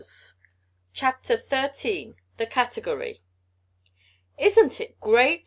CHAPTER XIII THE CATEGORY "Isn't it great!"